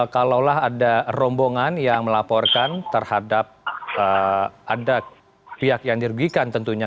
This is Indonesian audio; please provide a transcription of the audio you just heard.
kalaulah ada rombongan yang melaporkan terhadap ada pihak yang dirugikan tentunya